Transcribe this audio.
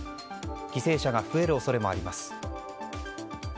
犠牲者が増える恐れもあります。